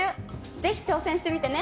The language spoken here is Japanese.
ぜひ挑戦してみてね。